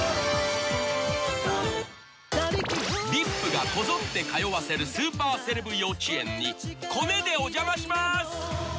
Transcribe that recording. ［ＶＩＰがこぞって通わせるスーパーセレブ幼稚園にコネでお邪魔します］